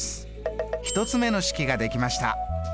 １つ目の式ができました。